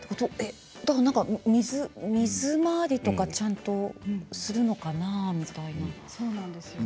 水回りとかちゃんとするのかなみたいな。